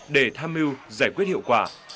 để tham mưu giải quyết hiệu quả